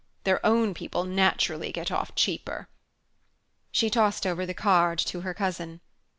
Their own people naturally get off cheaper." She tossed over the card to her cousin.